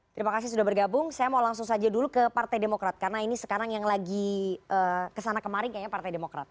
terima kasih sudah bergabung saya mau langsung saja dulu ke partai demokrat karena ini sekarang yang lagi kesana kemarin kayaknya partai demokrat